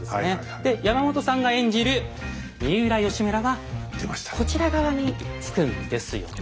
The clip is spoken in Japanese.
で山本さんが演じる三浦義村はこちら側につくんですよね。